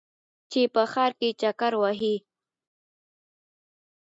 چې په ښار کې چکر وهې.